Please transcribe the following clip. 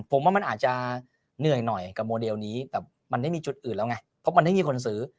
ผมว่ามันอาจจะเหนื่อยหน่อยกับโมเดลนี้แต่มันไม่มีจุดอื่นแล้วไงเพราะมันไม่มีคนซื้อ